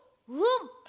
うん！